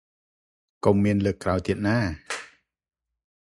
កុំមានលើកក្រោយទៀតណា ។